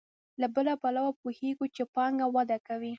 له بل پلوه پوهېږو چې پانګه وده کوي